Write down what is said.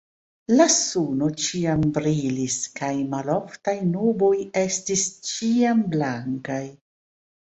La suno ĉiam brilis kaj maloftaj nuboj estis ĉiam blankaj.